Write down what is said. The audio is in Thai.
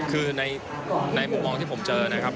คือในมุมมองที่ผมเจอนะครับ